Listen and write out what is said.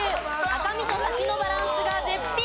赤身とサシのバランスが絶品！